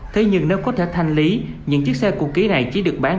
thế nhưng nếu có thể thanh lý những chiếc xe cổ ký này chỉ được bán